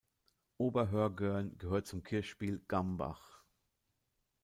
Ober-Hörgern gehört zum Kirchspiel Gambach.